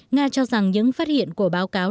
nga cho rằng những phát hiện của báo cáo